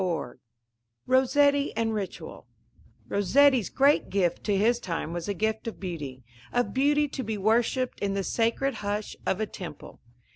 XV ROSSETTI AND RITUAL Rossetti's great gift to his time was the gift of beauty, of beauty to be worshipped in the sacred hush of a temple.